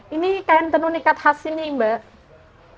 ini kain tenunikat khas ini mbak